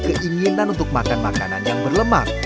keinginan untuk makan makanan yang berlemak